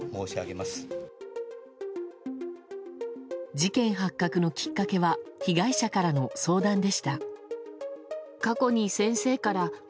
事件発覚のきっかけは被害者からの相談でした。